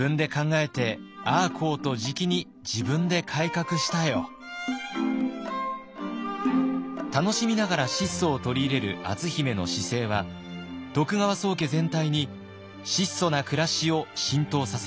勝海舟いわく楽しみながら質素を取り入れる篤姫の姿勢は徳川宗家全体に質素な暮らしを浸透させていきます。